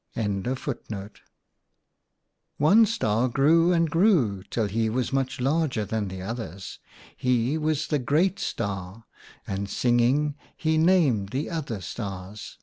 THE STARS 67 " One star grew and grew till he was much larger than the others. He was the Great Star, and, singing, he named the other stars.